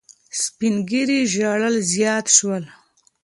سپین ږیري ژړل زیات شول.